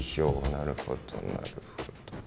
なるほどなるほど。